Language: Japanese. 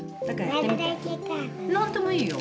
何でもいいよ。